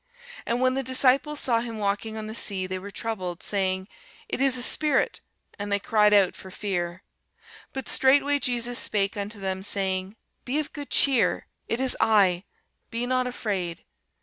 And when the disciples saw him walking on the sea, they were troubled, saying, It is a spirit; and they cried out for fear. But straightway Jesus spake unto them, saying, Be of good cheer; it is I; be not afraid.